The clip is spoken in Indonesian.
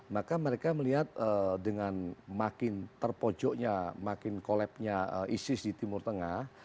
maka mereka melihat dengan makin terpojoknya makin kolapnya isis di timur tengah